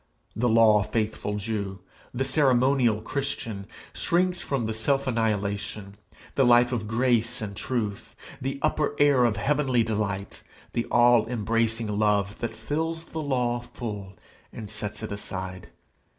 The law faithful Jew, the ceremonial Christian, shrinks from the self annihilation, the Life of grace and truth, the upper air of heavenly delight, the all embracing love that fills the law full and sets it aside.